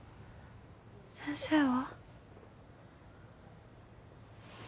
先生は？